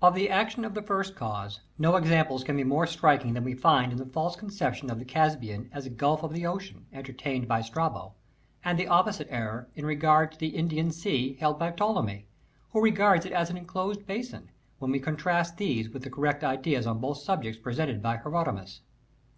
Of the action of the first cause no examples can be more striking than we find in the false conception of the Caspian as a gulf of the Ocean, entertained by Strabo, and the opposite error in regard to the Indian Sea held by Ptolemy, who regards it as an enclosed basin, when we contrast these with the correct ijo INTRODUCTION ideas on both subjects possessed by Herodotus.